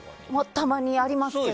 たまにやりますけど。